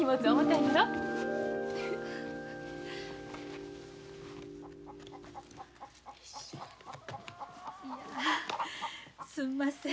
いやすんません。